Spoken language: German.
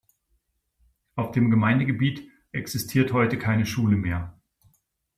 Auf dem Gemeindegebiet existiert heute keine Schule mehr.